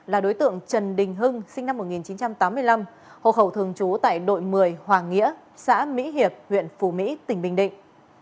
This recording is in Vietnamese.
là đối tượng trần đình hưng sinh năm một nghìn chín trăm tám mươi năm hồ hậu thường trú tại đội một mươi hoàng nghĩa xã mỹ hiệp huyện phù mỹ tỉnh bình định